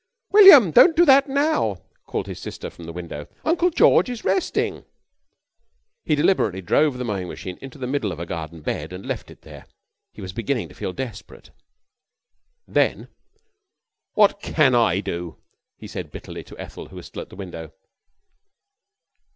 "William, don't do that now," called his sister from the window. "Uncle George is resting." He deliberately drove the mowing machine into the middle of a garden bed and left it there. He was beginning to feel desperate. Then: "What can I do?" he said bitterly to Ethel, who was still at the window.